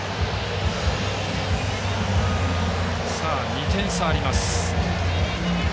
２点差あります。